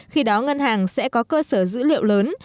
khi đó ngân hàng sẽ có cơ sở dữ liệu lớn